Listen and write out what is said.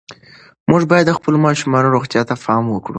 موږ باید د خپلو ماشومانو روغتیا ته پام وکړو.